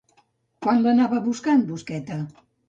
Quan l'anava a buscar en Busqueta?